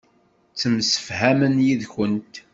Ttemsefhamen yid-kent.